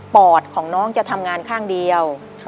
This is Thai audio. อดของน้องจะทำงานข้างเดียว